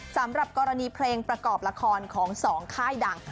สำหรับกรณีเพลงประกอบละครของ๒ค่ายดัง